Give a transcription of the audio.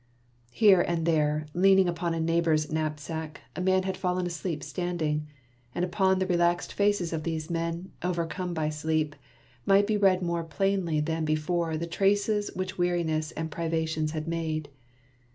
Here and there, leaning upon a neighbor's knap sack, a man had fallen asleep standing ; and upon the relaxed faces of these men, overcome by sleep, might be read more plainly than before the traces which weariness and privations had made.